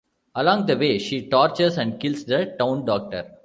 Along the way, she tortures and kills the town doctor.